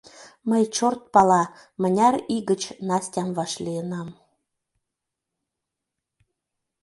Мый чёрт пала, мыняр ий гыч Настям вашлийынам.